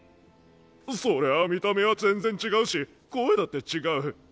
そりゃあ見た目は全然違うし声だって違う。